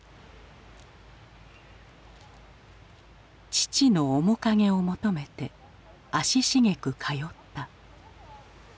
父の面影を求めて足しげく通った。